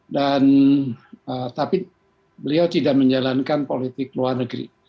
dan tapi beliau tidak menjalankan politik luar negeri